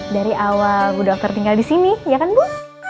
dari awal udah after tinggal di sini ya kan bu